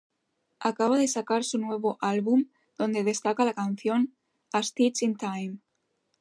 Acaba de sacar su nuevo álbum donde destaca la canción "A stitch in time".